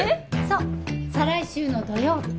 そう再来週の土曜日。